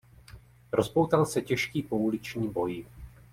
Rozpoutal se těžký pouliční boj.